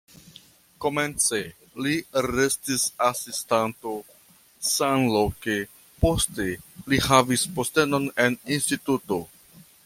Komence li restis asistanto samloke, poste li havis postenon en instituto.